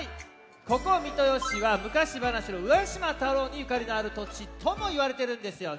ここ三豊市はむかしばなしの「浦島太郎」にゆかりのあるとちともいわれてるんですよね。